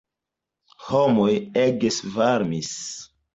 Homoj ege svarmis.